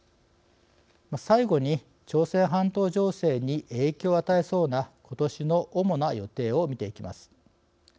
最後に朝鮮半島情勢に影響を与えそうなことしの主な予定を見ていきます。